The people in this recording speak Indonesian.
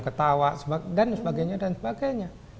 ketawa dan sebagainya dan sebagainya